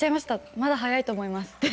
まだ早いと思いますと。